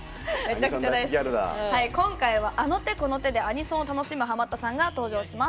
今回はあの手この手でアニソンを楽しむハマったさんが登場します。